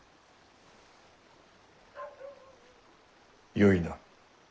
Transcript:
よいな。